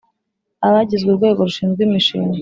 Abagizwe urwego rushinzwe imishinga